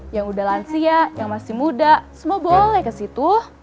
yang udah lansia yang masih muda semua boleh ke situ